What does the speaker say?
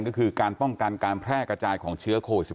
ก็คือการป้องกันการแพร่กระจายของเชื้อโควิด๑๙